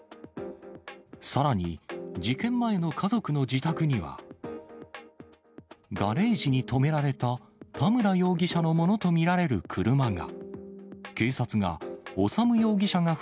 さらに、事件前の家族の自宅には、ガレージに止められた田村容疑者のものと見られる車が。